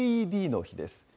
ＡＥＤの日です。